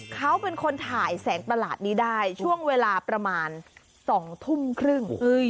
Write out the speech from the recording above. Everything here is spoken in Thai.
เขาเป็นคนถ่ายแสงประหลาดนี้ได้ช่วงเวลาประมาณ๒ทุ่มครึ่ง